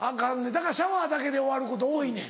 だからシャワーだけで終わること多いねん。